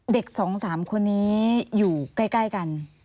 เด็กสองสามคนนี้อยู่ใกล้กัน